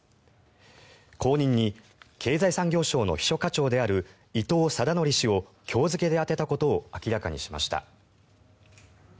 後任に経済産業省の秘書課長である伊藤禎則氏を今日付で充てたことを明らかにしました。